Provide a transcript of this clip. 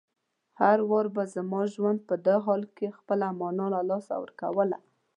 هر وار به زما ژوند په دې حال کې خپله مانا له لاسه ورکوله.